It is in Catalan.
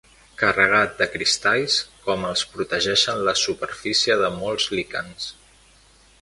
Carregat de cristalls com els protegeixen la superfície de molts líquens.